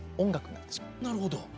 なるほど。